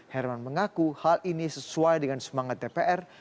herman mengaku hal ini sesuai dengan semangat dpr